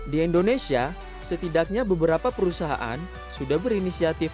di indonesia setidaknya beberapa perusahaan sudah berinisiatif